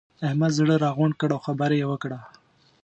احمد زړه راغونډ کړ؛ او خبره يې وکړه.